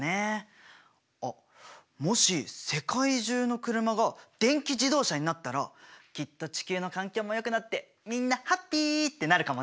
あっもし世界中の車が電気自動車になったらきっと地球の環境もよくなってみんなハッピーってなるかもね！